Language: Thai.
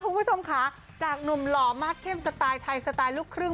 คุณผู้ชมค่ะจากหนุ่มหล่อมากเข้มสไตล์ไทยสไตล์ลูกครึ่ง